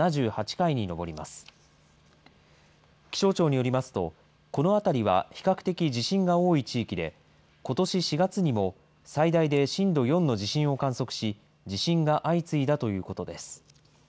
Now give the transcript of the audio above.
気象庁によりますと、この辺りは比較的、地震が多い地域で、ことし４月にも最大で震度４の地震を観測し、地震が相次いだということです。